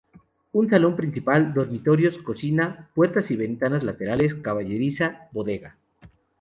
Un salón principal, dormitorios, cocina, puertas y ventanales laterales, caballeriza, bodega.